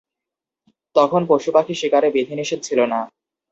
তখন পশুপাখি শিকারে বিধিনিষেধ ছিল না।